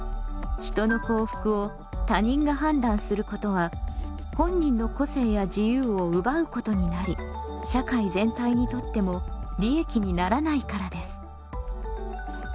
人の幸福を他人が判断することは本人の個性や自由を奪うことになり社会全体にとっても利益にならないからです。